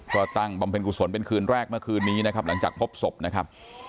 ก็ตั้งบำเพ็ญกุศลเป็นคืนแรกเมื่อคืนนี้นะครับหลังจากพบศพนะครับ